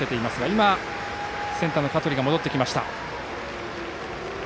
今、センターの香取が戻ってきました。